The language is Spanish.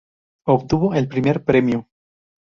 Obtuvo el primer premio.